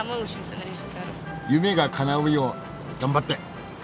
夢がかなうよう頑張って。